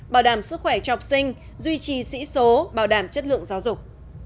bảo đảm sức khỏe cho học sinh duy trì sĩ số bảo đảm chất lượng giáo dục